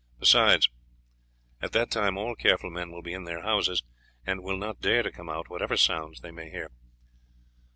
Besides, at that time all careful men will be in their houses, and will not dare to come out whatever sounds they may hear."